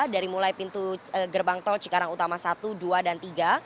dari mulai pintu gerbang tol cikarang utama satu dua dan tiga